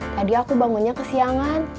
tadi aku bangunnya ke siangan